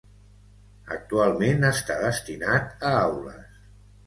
Actualment està destinat a aules.